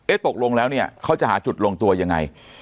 ตกลงแล้วเนี่ยเขาจะหาจุดลงตัวยังไง